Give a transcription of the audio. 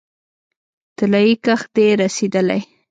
طلايي کښت دې رسیدلی